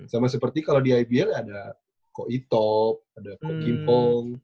sama seperti kalau di ipl ya ada kok itop ada kok gimpong